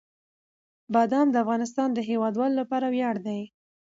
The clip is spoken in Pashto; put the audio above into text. بادام د افغانستان د هیوادوالو لپاره ویاړ دی.